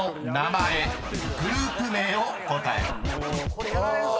これやられるぞ。